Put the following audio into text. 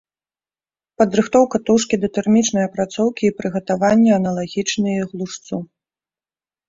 Падрыхтоўка тушкі да тэрмічнай апрацоўкі і прыгатаванне аналагічныя глушцу.